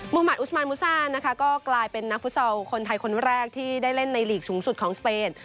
มุมัติอุสมานมูซ่านะคะก็กลายเป็นนักฟุตซอลคนไทยคนแรกที่ได้เล่นในหลีกสูงสุดของสเปน